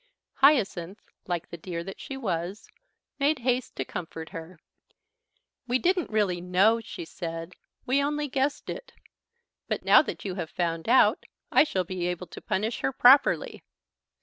Hyacinth, like the dear that she was, made haste to comfort her. "We didn't really know," she said; "we only guessed it. But now that you have found out, I shall be able to punish her properly.